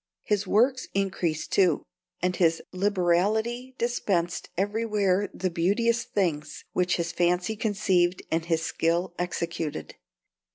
His works increased too; and his liberality dispensed everywhere the beauteous things which his fancy conceived and his skill executed.